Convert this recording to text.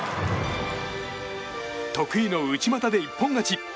得意の内股で一本勝ち。